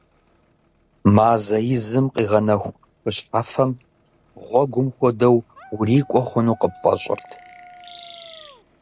Мазэ изым къигъэнэху хы щхьэфэм гъуэгум хуэдэу урикӏуэ хъуну къыпфӏэщӏырт.